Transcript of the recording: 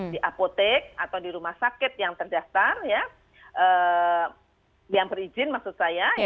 di apotek atau di rumah sakit yang terdaftar yang berizin maksud saya